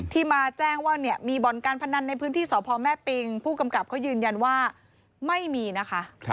มาแจ้งว่าเนี่ยมีบ่อนการพนันในพื้นที่สพแม่ปิงผู้กำกับเขายืนยันว่าไม่มีนะคะ